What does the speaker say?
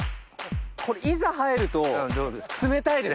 これいざ入ると冷たいです。